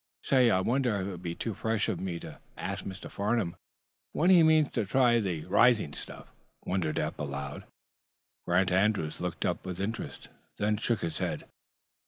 "Say, I wonder if it would be too fresh of me to ask Mr. Farnum when he means to try the rising stunt?" wondered Eph, aloud. Grant Andrews looked up with interest, then shook his head.